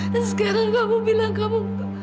dan sekarang kamu bilang kamu